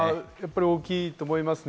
大きいと思いますね。